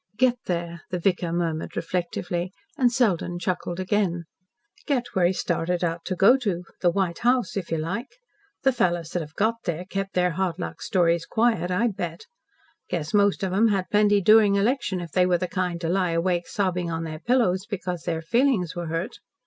"Get there?" the vicar murmured reflectively, and Selden chuckled again. "Get where he started out to go to the White House, if you like. The fellows that have got there kept their hardluck stories quiet, I bet. Guess most of 'em had plenty during election, if they were the kind to lie awake sobbing on their pillows because their feelings were hurt."